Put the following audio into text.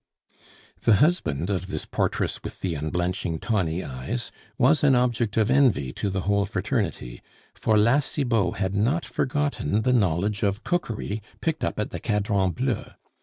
The husband of this portress with the unblenching tawny eyes was an object of envy to the whole fraternity, for La Cibot had not forgotten the knowledge of cookery picked up at the Cadran Bleu.